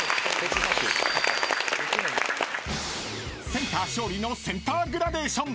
［センター勝利のセンターグラデーション］